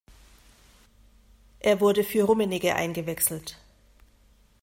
Er wurde für Rummenigge eingewechselt.